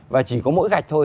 và chỉ có mỗi gạch thôi